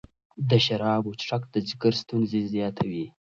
د شرابو څښاک د ځیګر ستونزې زیاتوي.